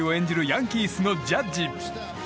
ヤンキースのジャッジ。